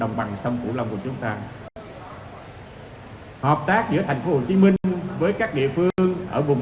đồng bằng sông cửu long của chúng ta hợp tác giữa thành phố hồ chí minh với các địa phương ở vùng